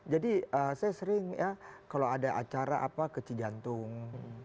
jadi saya sering ya kalau ada acara apa ke cijantung